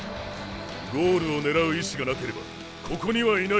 ゴールを狙う意志がなければここにはいない！